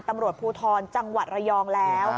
ตำรวจภูทรจังหวัดระยองแล้ว